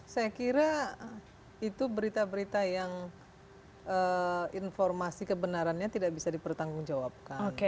saya kira itu berita berita yang informasi kebenarannya tidak bisa dipertanggungjawabkan